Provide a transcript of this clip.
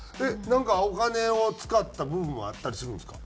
なんかお金を使った部分はあったりするんですか？